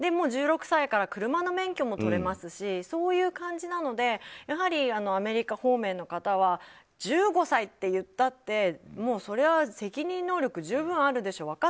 １６歳から車の免許も取れますしそういう感じなのでやはり、アメリカ方面の方は１５歳っていったってもうそれは責任能力十分あるでしょう。